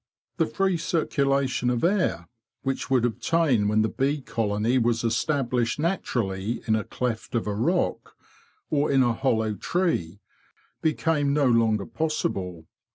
The free circulation of air which would obtain when the bee colony was established naturally in a cleft of a rock or in a hollow tree became no longer possible.